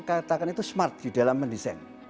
pak sileban saya katakan itu smart di dalam mendesain